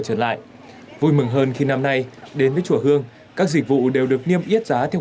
trở lại vui mừng hơn khi năm nay đến với chùa hương các dịch vụ đều được niêm yết giá theo